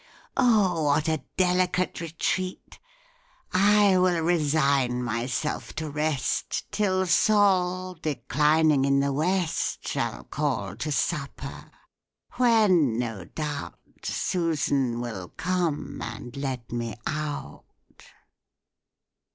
O what a delicate retreat! I will resign myself to rest Till Sol, declining in the west, Shall call to supper, when, no doubt, Susan will come and let me out."